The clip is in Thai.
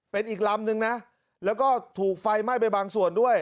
เป็นอีกลำนึงนะแล้วก็ถูกไฟไหม้ไปบางส่วนด้วย